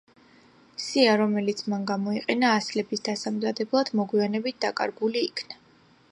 სია, რომელიც მან გამოიყენა ასლების დასამზადებლად, მოგვიანებით დაკარგული იქნა.